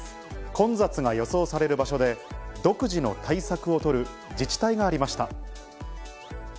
混雑が予想される場所で、独自の対策を取る自治体がありました。